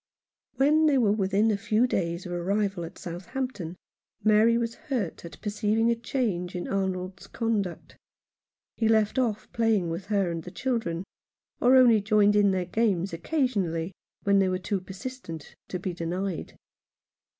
When they were within a few days of arrival at Southampton, Mary was hurt at perceiving a change in Arnold's conduct. He left off playing with her and the children — or only joined in their games occasionally, when they were too persistent to be denied.